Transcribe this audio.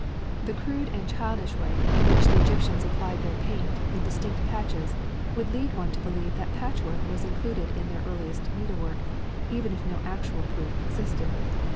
The crude and childish way in which the Egyptians applied their paint in distinct patches would lead one to believe that patchwork was included in their earliest needlework, even if no actual proof existed.